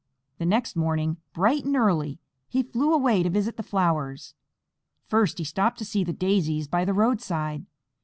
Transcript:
The next morning, bright and early, he flew away to visit the flowers. First he stopped to see the Daisies by the roadside.